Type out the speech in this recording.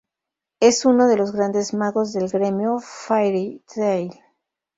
Es uno de los grandes magos del gremio Fairy Tail.